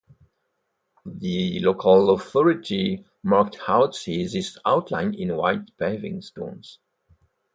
The local authority marked out this outline in white paving stones.